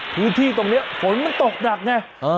พื้นที่ตรงเนี้ยฝนมันตกดักเนี้ยเออ